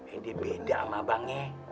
eh dia beda sama abangnya